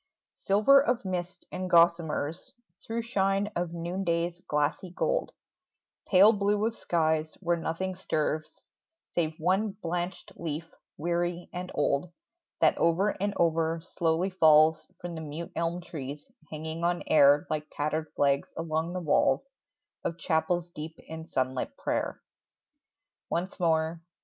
Silver of mist and gossamers, Through shine of noonday's glassy gold, Pale blue of skies, where nothing stirs Save one blanched leaf, weary and old, That over and over slowly falls From the mute elm trees, hanging on air Like tattered flags along the walls Of chapels deep in sunlit prayer. Once more